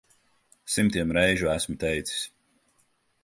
Simtiem reižu esmu teicis.